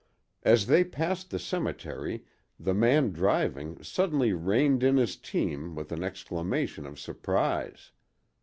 As they passed the cemetery the man driving suddenly reined in his team with an exclamation of surprise.